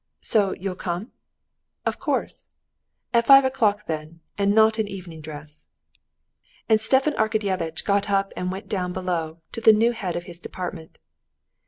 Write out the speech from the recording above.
"So you'll come?" "Of course." "At five o'clock, then, and not evening dress." And Stepan Arkadyevitch got up and went down below to the new head of his department.